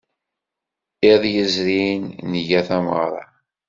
Iḍ yezrin, nga tameɣra.